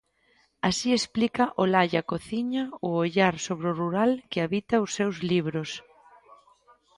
Así explica Olalla Cociña o ollar sobre o rural que habita os seus libros.